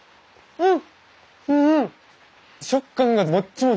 うん。